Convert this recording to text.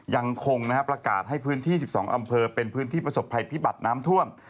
ยังคงประกาศให้พื้นที่๑๒อำเภอเป็นพื้นที่ประสบภัยพิบัติน้ำท่วม